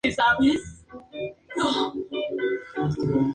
En el videoclip de "Tu piel" participó la actriz Elsa Pataky.